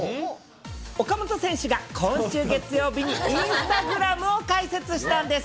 岡本選手が今週月曜日にインスタグラムを開設したんです。